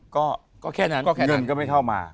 ก็แค่นั้นเงินก็ไม่เข้ามา